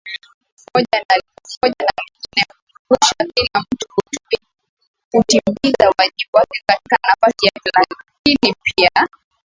moja na lingine Humkumbusha kila mtu kutimiza wajibu wake katika nafasi yake Lakini pia